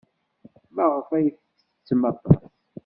Maɣef ay tettettem aṭas?